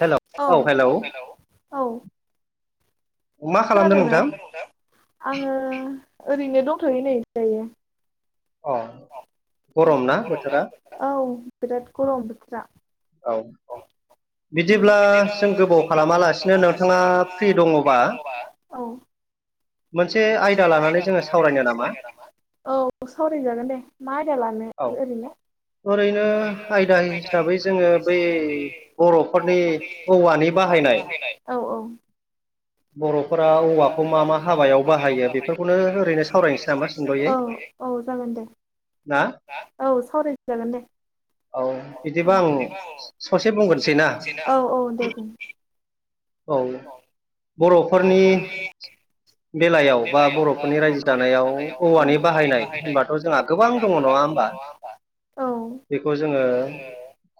Hello औे hello औ hello औ मा खालामदों खोनादोंना नोंथां [unintelligible] आङो ओरैनो दंथ'यो नै दायो अ गरम ना बोथोरा औ बिराद गरम बोथोरा औ औ उम बिदिनो जों गोबाव खालामालासिनो नोंथाङा फ्रि दङ'बा औ मोनसे आयदा लानानै जोङो सावरायनो नामा औ सावराय जागोन दे मा आयदा लानो औ ओ [unintelligible] ओरैनो आयदा हिसाबै जोङो बै बर'फोरनि औवानि बाहाय बाहायनाय औ औ बर'फोरा औवाखौ मा मा मा मा हाबायाव बाहायो बेफोरखौनो ओरैनो सावरायनोसै नामा औ औ जागोन दे ना औ सावरायजागोन दे औ बिदिबा आं ससे बुंग्रोनसै ना आं औ औ दे बुं औ बर'फोरनि बेलायाव बा बर'फोरनि रायजो जानायाव औवानि बाहायनाय होनबाथ' जोंहा गोबां दङ' नङा होमबा [unintelligible] बेखौ जोङो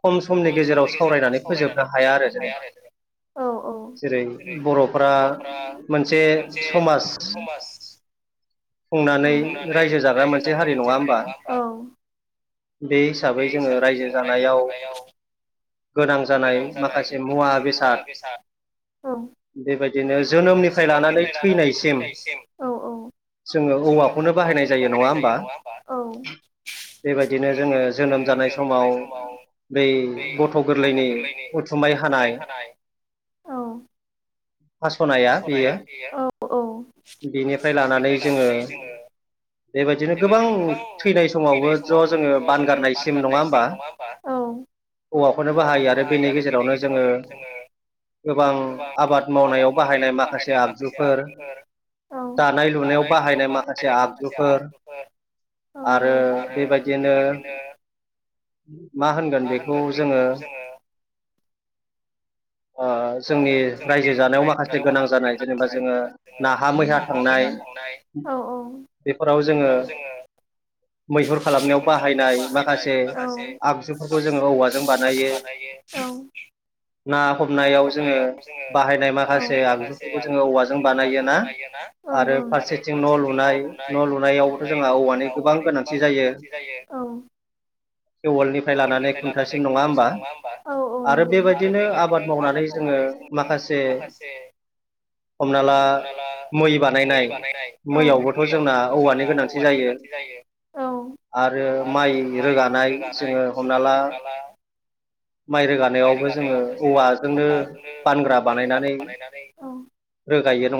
खम समनि गेजेराव सावरायनानै फोजोबनो हाया आरो जेनेबा आरो जेरै बर'फोरा मोनसे समा समाज खुंनानै रायजो जाग्रा मोनसे हारि नङा होमबा बे हिसाबै जोङो रायजो जानायाव गोनां जानाय माखासे मुवा बेसाद बेबायदिनो जोनोमनिफ्राय लानानै लानानै थैनायसिम औ औ जोङो औवाखौनो बाहायनाय जायो नङा होमबा बेबायदिनो जोङो जोनोम जानाय समाव बै गथ' गोरलैनि उथुमाय हानाय हास'नाया बेयो बेनिफ्राय लानानै जोङो बेबायदिनो गोबां थैनाय समावबो ज' जोङो बान गारनाय बान गारनायसिम नङा होमबा औ औवाखौनोबो बाहायो आरो बेनि गेजेरावनो जोङो गोबां आबाद मावनायाव बाहायनाय माखासे आगजु [unintelligible] औ दानाय लुनायाव बाहायनाय माखासे आगजुफोर आरो बेबायदिनो बिदिनो मा होनगोन बेखौ जोङो ओ जोंनि जोंनि रायजो जानायाव माखासे रायजो जानायाव गोनां जानाय जेनेबा ओ जोङो नाहा मैहा थांनाय मैहा औ औ बेफोराव जोङो मैहुर खालामनायाव मैहुर खालामनायाव बाहायनाय माखासे माखासे आगजुफोरखौ जोङो औवाजों बानायो औ ना हम जोङो बाहायनाय माखासे माखासे आगुफोरखौ जोङो आगजुफोरखौ औवाजों जोङो बानायो औवाजों ना बानायोना औ औ आरो फारसेथिं न' लुनाय न' लुनायावबो जोंहा औवानि गोबां गोनांथि जायो औ थेवलनिफ्राय लानानै खुन्थासिम नङा होमबा आरो बेबायदिनो आबाद मावनानै जोङो माखासे हमना ला मै बानायनाय औ मैयावबोथ' जोंना मैयावथ' औवानि जोंना गोनांथि औवानि गोनांथि जायो औ आरो माइ रोगानाय जोंङो हमना ला माइ रोगानायावबो जोंङो जोंनो बानग्रा बानायनानै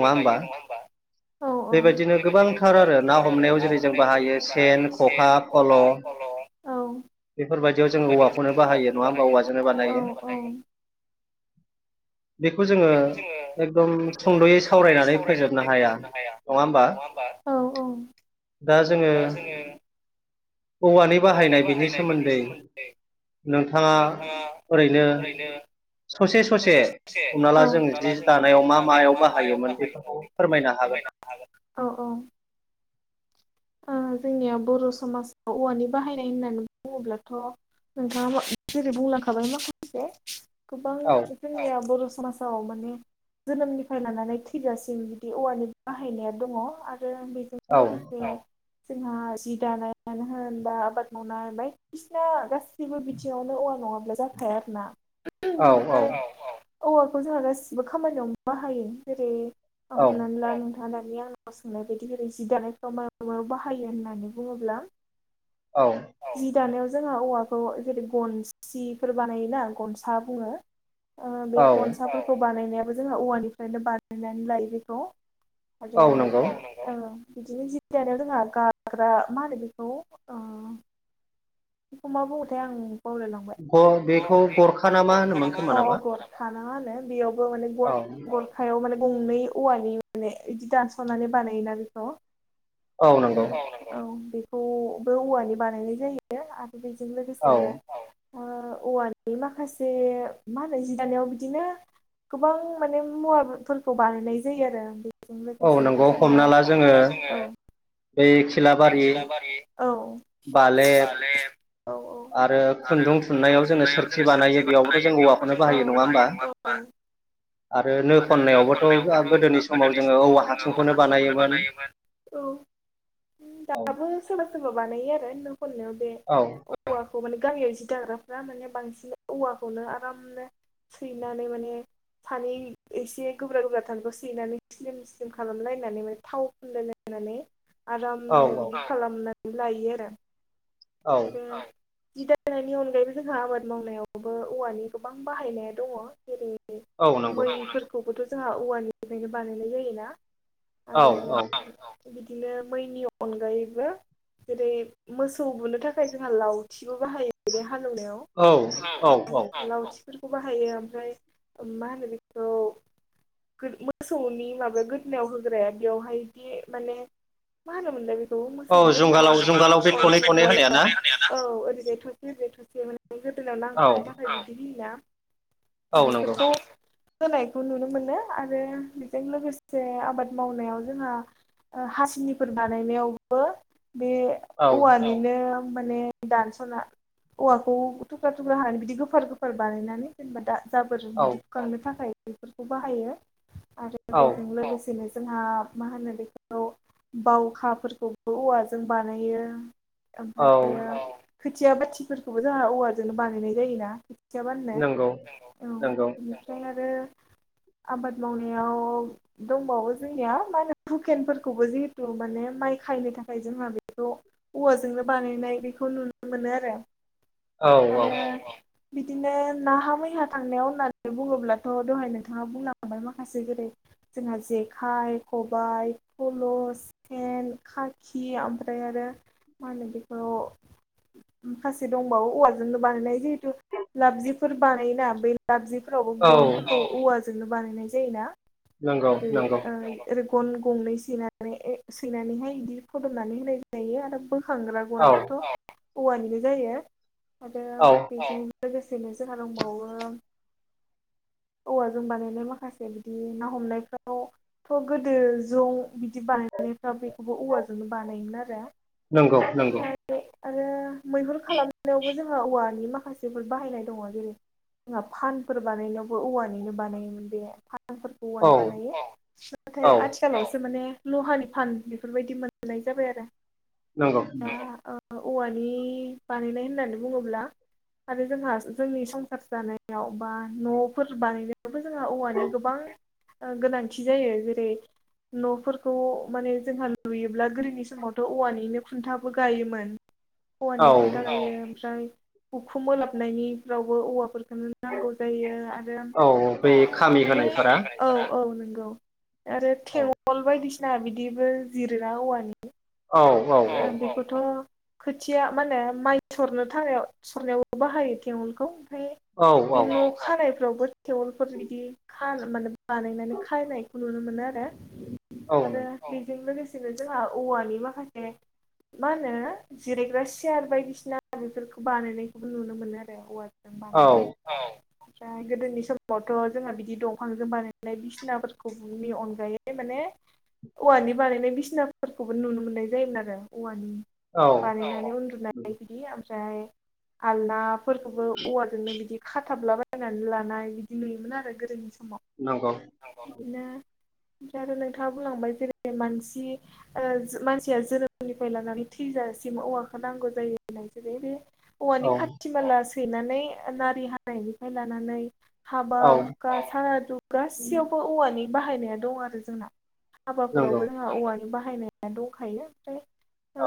रोगायो नङा होमबा गोबांथार आरो ना हमनायाव जेरै जों बाहायो सेन ख'खा फल' बेफोरबायदियाव जों औवाखौनो बाहायो नङा होमबा औवाजोंनो बानायो। बेखौ जोंङो एकदम संद'यै सावरायनानै फोजोबनो हाया नङा होमबा औ औ दा जोंङो औवानि बाहायनाय बिनि सोमोन्दै नोंथाङा नोंथाङा ओरैनो ससे ससे हमना ला जों जि दानायाव मा मायाव बाहा हायोमोन बेफोरखौ फोरमायनो हागोन। जोंनिया बर' समाजाव औवानि बाहायनाय होननानै बुङोब्लाथ' नोंथाङा जेरै बुंलांखाबाय माखासे गोबां औ जोंनिया बर' समाजाव माने जोनोमनिफ्राय लानानै थैजासिम बिदि औवानि बाहायनाया दङ आरो बेजों औ लोगोसे जोंहा जि दानायानो होन बा आबाद मावनाय बायदिसिना गाससिबो बिथिङावनो औवा नङाब्ला जाखाया आरो ना औ औ औवाखौ जोंहा गासिबो खामानियाव बाहायो जेरै औ हमनानै ला लानानै आंनाव सोंनाय बायदि बोरै जि दानायफाव माब मायाव बाहायो होननानै बुङोब्ला औ जि दानायाव जोंहा औवाखौ जेरै गनसिफोर बानायोना गनसा बुङो। ओ बे औ गनसाफोरखौ बानायनायाबो जोंहा औवानिफ्रायनो बानायनानै लायो बेखौ। आरो औ नंगौ ओ बिदिनो जि जि दानायाव जोंहा गाग्रा मा होनो बेखौ ओ बेखौ मा बुंङोथाय आं बावलायलांबाय ग बेखौ गरखा ना मा होनोमोन खोमा नामा मा होनो बेयावबो माने औ गर गरखायाव माने गंनै औवानि माने इदि दानस'नानै बानायोना बेखौ औ नंगौ बे औ बेखौबो औवानि बानायनाय जायो आरो बेजों औ लोगोसे ओ औवानि माखासे मा होनो जि दानायाव बिदिनो गोबां माने मुवाफोरखौ बानायनाय जायो आरो बेजों औ लोगोसे नंगौ आरो जोंहा हमना औ ला जोङो हमारा जोंङो बे खिलाबारि औ बालेब बालेब औ औ आरो खुन्दुं थुननायाव जोङो सोरखि बानायो बेयावथ'जों औ बाहायो नङा होमबा ओं आरो नो खननायावबोथ' गोदोनि समाव जोंङो औवा हासुंखौनो बानायोमोन। औ औ दाबो सोरबा सोरबा बानायो आरो नो हननायाव बे औ औवा खौ माने गामियाव जि दाग्राफ्रा माने बांसिन औवाखौनो आरामनो सैनानै माने एसे गोब्रा गोब्रा थानायखौ सैनानै स्लिम स्लिम खालामलायनानै माने थाव फुनलायलायनानै औ आरामै बिदि खालामनानै लायो आरो औ आरो जि दानायनि अनगायैबो जोंहा आबाद मावनायावबो औवानि गोबां बाहायनाय दङ जेरै औ नंगौ मैफोरखौबोथ' जोंहा औवानिफ्रायनो बानायनाय जायोना औ औ आरो बिदिनो मैनि अनगायैबो जेरै मोसौ सौ बुनो थाखाय जोंहा लावथिबो बाहायो बेे हालवनायाव औ औ औ लावथि बेफोरखौ बाहायो ओमफ्राय मा होनो बेखौ मोसौनि माबा गोदोनायाव होग्राया बेवहाय दि माने म होन मोनद बेखौ औ मोसौ जुंगालाव जुंगालाव बे थनै गोदना औ थनै होनाया ना ओरैजाय थसे ओरजाय थसे माने गोदाव औ नांथानो थाखाय बिदि होयोना औ नंगौ बेफोरखौ होनायखौ नुनो मोनो आरो बेजों लोगोसे आबाद मावनायाव जोंहा ओ हासिनिफोर बानायनायावबो औ [unintelligible] माने दानसना औवाखौ थुख्रा थुख्रा हानो बिदि गोफार गोफार बानायनानै जेनेबा दा औ [unintelligible] थाखाय बेफोरखौ बाहायो आरो औ बेजों लोगोसे जोंहा मा होनो बेखौ बावखाफोरखौबो औवाजों बानायो औ ओमफ्र खोथिया बाथिफोरखौबो जोंहा औवाराजों बानायनाय जायोना खौथिया बानो नंगौ औ नंगौ नोंथां [inaudible] आबाद मावनायाव दंबावो जोंनिया मा होनो हुकेनफोरखौबो जिहेतु माने माइ खायनो थाखाय जोंहा बेखौ औवाजों बानायनाय बेखौ नुनो मोनो औ औ आरो । बिदिनो नाहा मैहा थांनायाव होननानै बुङोब्लाथ दहाय नोंथाङा बुंलांबाय माखासे जेरै जोंहा जेखाइ खबायाइ फल सेन खाखि ओमफ्राय आरो मा होन बेखौ माखासे दंबावो औवालाजोंनो बानायनाय जिहेथु लाबजिफोर बानायोना बे दाबजिफोरावबो औ गनफोरखौ औवाजोंनो बानायनाय जायोना नंगौ जेरै नंगौ ओ गन गंनै सनानै सैनानैहाय बिदि फदमनानै होनाय जायो आरो बोखांग्रा औ गनाबोथ औवानिनो जायो आरो औ बिदि लोगोसेनो जोंहा दंबावो [inaudible] औवाजों बानायनाय माखासे बिदि ना हमनायफ्रावथ' गोदो जौ बिदि बानाय [unintelligible] औवाजोंनो बानायोमोन आरो । नंगौ नंगौ आरो मैहुर खालामनायावबो जोंहा औवानि माखासेफोर बाहायनाय दंङ जेरै जोंहा फानफोर बानायनायावबो औवानिनो बानायोमोन बे फ औ फोरखौनो बानायो औ नाथाय आथिखालावसो माने लहानि फान बेफोरबायदि मोननाय जाबाय आरो । नंगौ । औवानि बानायनाय होननानै बुंङोब्ला आरो जोंहा जोंनि संसार जानायाव बा नफोर बानायनायावबो जोंहा औवानि गोबां ओ गोनांथि जायो जेरै न'फोरखौ माने जोंहा लुयोब्ला गोदोनि समावथ' औवानि बिनो खुन्थाबो गायोमोन औ औवानि खुन्था गायो ओमफ्राय हुखुमोलाबनायनिफ्रावबो औवाफोरखौ नो नांगौ जायो आरो औ बै खामि माने होनायफोरा औ औ नंगौ आरो औ थेंगल बायदिसिना बिदिबो जिरा औवानि औ औ ओ बेखौथ' खोथिया मानो माइ थुरनो थाखाय सरनायावबो बाहायो थेंगलखौ औ । बे न'खानाय फ्रावबो थेवलफोर बिदि माने बानायनानै खानायखौ नुनो मोनो आरो औ । आरो बेजों लोगोसेनो जोंहा औवानि माखासे [inaudible] मा होनो जिरायग्रा सियार बायदिसिना बेफोरखौ बानायनायखौबो नुनो मोनो आरो आ औव बानायनाय । ओमफ्राय गोदोनि समावथ' जोंहा बिदि दंफांजों बानायनाय बिसिनाफोरखौ बुहुमनि अनगायै ओ माने। ने औवानि बानायनाय बिसिनाफोरखौबो नुनो मोननाय। जायोमोन आरो औवानि बानायनानै उन्दुनाय बिदि ओमफ्राय आलना फोरखौबो औवाजोंनो बिदि खाथाबलाबायनानै लानाय बिदि नुयोमोन आरो गोदोनि। समाव नंगौ बिदिनो। ओमफ्राय आरो नोंथाङा बुंलांबाय जेरै मानसि ओ मानसि खिया जोरोमनिफ्राय लानानै थैजासिम औवाखौ नांगौ जायो होननाय जेरै बे औ नंगौ औ औवानि खाथि माला सैनानै नारि हानायनिफ्राय लानानै औ हाब। नंगौ हाबाफोरावबो जोंहा औवानि बाहायनाया दंखायो ओमफ्राय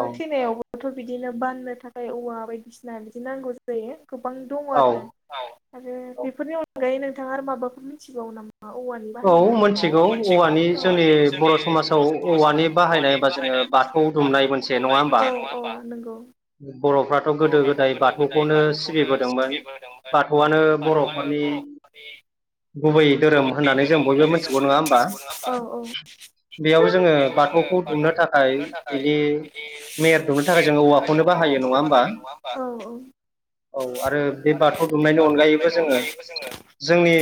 औ थेमायावब दथ' बिदिनो बाननो थाखाय औवा बायदिसिना बिदि नांगौ जायो गोबां दङ औ आरोना आरो बेफोरनि अनगायै नोंथाङा आरो माबाफोर मिथिबावो नामा? औवानि औ बाहायनाय मोनथिगौ औ मिथिगौ औवानि जोंनि बर' समाजाव बर' समाजाव औवानि बाहायनाय औवानि होनबा जोङो बाहायनाय एबा जोङो दुमनाय बाथौ खौ मोनसे दुमनाय होमबा मोनसे नङा होनबा औ-औ नंगौ। बर'फ्राथ' गोदो बर'फ्राथ' गोदाय गोदो गोदाय बाथौखौनो बाथौखौनो सिबिबोदोंमोन बाथौआनो सिबिबोदोंमोन बाथौआनो बर'फोरनि बर' गुबै धोरोम। गुबै होननानै जों धोरोम बयबो होननानै जों मिथिगौ नङा बयबो होमबा मिथिगौ नङा होमबा बेयाव जोङो बेयाव जोङो बाथौखौ दुमनो बाथौनि थाख खाय थाखाय बिदि बिदि मेहेर दुनो थाखाय जों दुमनो औवाखौनो बाहायो औवाखौनो नंङा होमबा बाहायो नङा होमबा? औ आरो औ बे बाथौ बे दुमनायनि बाथौ अनगायैबो दुमनायनि जोङो अनगायैबो जोङो जोंनि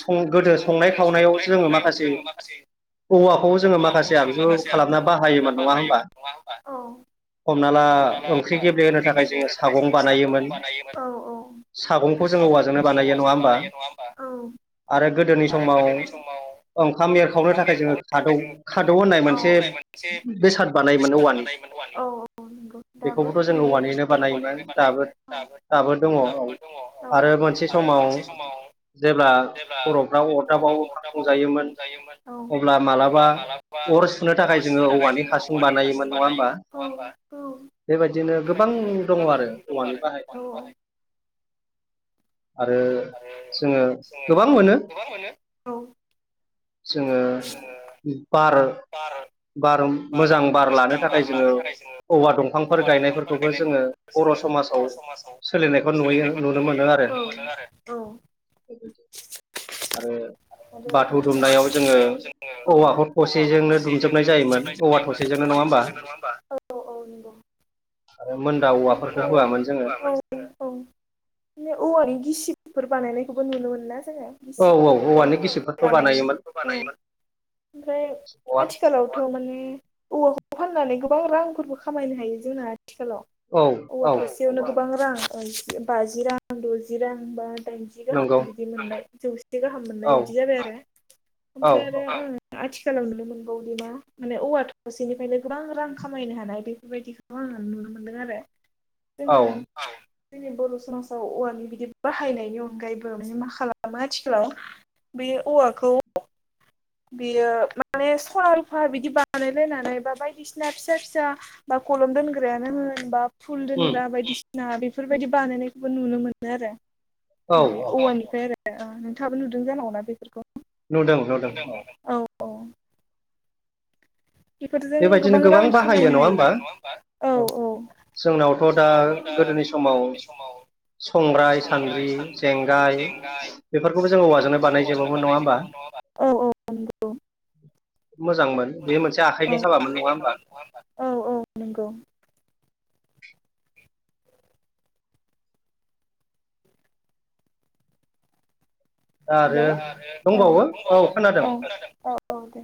सं गोदो सं। संनाय खावनायाव संनाय जोङो खावनायाव माखासे जोङो औवाखौ जोङो माखासे आगजु खालामना बा खालामना बाहायोमोन नङा होमबा हमना ओ। हमना ला ओंख्रि गेब्लेहोनो ओंख्रि थाखाय गेब्ले जोङो होनो थाखाय सागं जोङो बानायोमोन सागं बानायोमोन औ-औ। सागंखौ जोङो औवाजोंनो सागंखौ जों बानायो नङा औवाजोंनो होमबा बानायो नङा होमबा औ। आरो गोदोनि समा आव ओंखाम एरखावनो ओंखाम थाखाय जोङो थाखाय खादौ जोङो खादौ होननाय मोनसे मोनसे बेसाद बे बानायोमोन सार औवानि बानायोमोन औवानि। बेखौबोथ' जों औवानिनो बानायोमोन दाबो दाबो दङ औ आरो [unintelligible] मोनसे आरो समाव मोनसे समाव जेब्ला जेब्ला बर'फ्रा अरदाब बर'फ्रा बाव ओंखाम अरदाबाव ओंखाम संजायोमोन संजायोमोन अब्ला मालाबा अर सुनो थाख अर सुनो थाखाय जोङो औवानि हारसुं बानायोमोन औ-औ नङा होमबा औ बेबायदिनो गोबां दङ आरो औवानि आरो बाहायनाय। औवानि बानाय आरो आरो जोङो गोबां मोनो। औ। जोङो बार। बार। ओम मोजां बार लानो मोजां थाखाय बार जोङो। लानो थाखाय जों औवा दंफांफोर औवा दंफांफोर गायनायफोरखौबो गायनायफोरखौ जोङो बर' जोङो समाजाव बर' सोलिनायखौ नुयो नुनो मोनो आरो। नुनो मोनो औ औ। आरो बाथौ दुमनायाव जोङो दुमनायाव जोङो औवाखौ औवाखौ थसेजोंनो दुमजोबनाय थसेजोंनो जायोमोन। [unintelligible] [unintelligible] औवा थसेजोंनो नङा होमबा आरो मोनदा औवाफोरखौ होआमोन जोङो औवानि गिसिफोर बानायनायखौबो नुनो मोनोना औ औ औवानि [unintelligible] गिसिबफोरखौ बानायोमोन ओमफ्राय औ आथिखालावथ' माने। औवाखौ फाननानै गोबां रांफोरबो खामायनो हायो जोंना आथिखालाव औ औवा थासेयावनो गोबां रां बाजि रां द'जि रां बा दाइनजि नंगौ गाहाम बिदि मोनबाय जौसे गाहाम मोननाय औ बिदि जाबाय आरो औ ओमफ्राय आरो उम आथिखालाव नुनो मोनबावोदि मा माने औवाथ' दसेनिफ्रायनो गोबां रां खामायनो हानाय बेफोरबायदिखौ आङो नुनो मोनदों आरो जोङो औ। जोंनि बर' समाजाव औवानि बिदि बाहायनायनि अनगायैबो माने मा खालामो आथिखालाव बे औवाखौ बेयो माने सना रुफा बिदि बा बानायलायनानै बा बायदिसिना फिसा फिसा बा कलम दोनग्रायानो होन बा फुल उम दोनग्रा बायदिसिना बेफोरबायदि बानायनायखौबो नुनो मोनो आरो। औ बेे औ औवानिफ्राय आरो ओ नोंथाङाबो नुदों जानांगौ ना बेफोरखौ? नुदों नुदों औ। अ। बेफोरजों बेबायदिनो गोबां रां बाहायो नङा खामायनो होमबा हायो औ औ। जोंनावथ' दा गोदोनि समाव समाव संग्राय सान्द्रि जेंगाय बेफोरखौबो जोंङो बेखौबो औवाजोंनो जों बानाय जोबोमोन नङा होमबा? बानायजोबोमोन औ औ नंगौ। मोजांमोन बे मोनसे आखाइजों औ औ नंगौ। दा हेल' आरो दंबावो औ खोनादों औ औे।